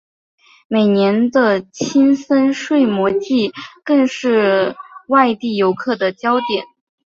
每年的青森睡魔祭更是外地游客的焦点。